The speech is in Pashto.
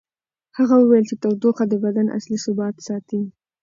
هغه وویل چې تودوخه د بدن اصلي ثبات ساتي.